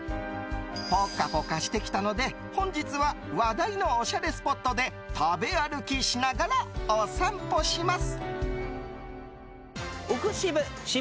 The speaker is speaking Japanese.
ぽかぽかしてきたの本日は話題のスポットで食べ歩きしながらお散歩します。